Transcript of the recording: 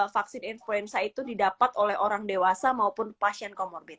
vaksin influenza itu didapat oleh orang dewasa maupun pasien comorbid